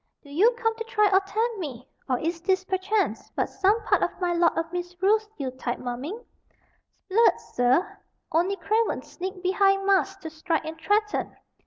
"Do you come to try or tempt me, or is this perchance but some part of my Lord of Misrule's Yule tide mumming? 'Sblood, sir; only cravens sneak behind masks to strike and threaten.